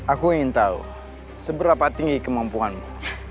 aku ingin tahu seberapa tinggi kemampuanmu